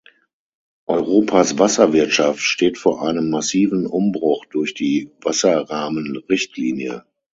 Europas Wasserwirtschaft steht vor einem massiven Umbruch durch die Wasserrahmenrichtlinie.